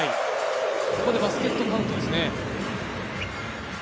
ここでバスケットカウントですね。